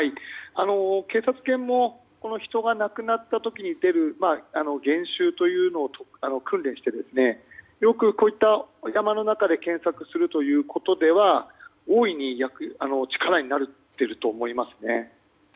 警察犬も人が見つかった時に出る源臭というのを訓練してよくこういった山の中で検察するということでは大いに力になっていると思いますね。